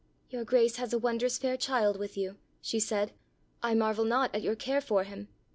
"Your Grace has a wondrous fair child with you," she said. "I marvel not at your care for him.